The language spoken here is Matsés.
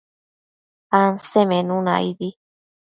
Ansemenuna aidi